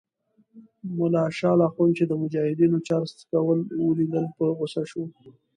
ملا شال اخند چې د مجاهدینو چرس څکول ولیدل په غوسه شو.